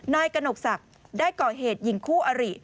นายกระหนกศักดิ์ได้ก่อเหตุยิงคู่อริ